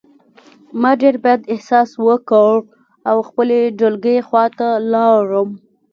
ما ډېر بد احساس وکړ او د خپلې ډلګۍ خواته لاړم